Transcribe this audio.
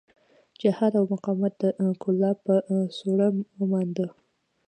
جهاد او مقاومت د کولاب په سوړه ومانډه.